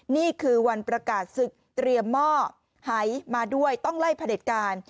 นี่คือวันประกาศศึกเตรียมหม้อหายมาด้วยต้องไล่ผลิตการ